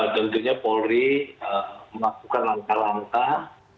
tentunya polri melakukan langkah langkah